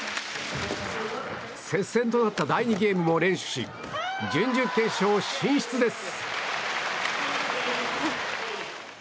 接戦となった第２ゲームも連取し準々決勝進出です。